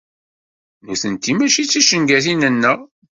Nutenti mačči d ticengatin-nneɣ.